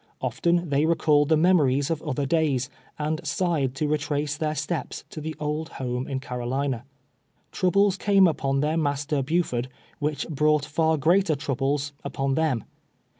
Often they recalled the memories of other days, and sighed to retrace their steps to the old homo iu Carolina. Troubles came upon their master Bu ford, whicli brouglit far greater troubles upon them.